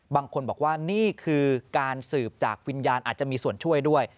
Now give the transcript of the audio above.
บางคนบอกว่านี่คือการสืบจากวิญญาณอาจจะมีส่วนช่วยด้วย